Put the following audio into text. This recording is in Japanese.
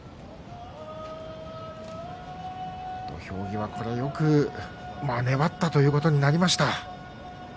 土俵際、よく粘ったということになりました。